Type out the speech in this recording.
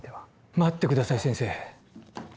待ってください先生。